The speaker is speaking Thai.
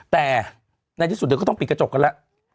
แต่ในที่สุดเดี๋ยวก็ต้องปิดกระจกกันแล้ว